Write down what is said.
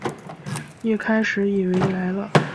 一开始以为来了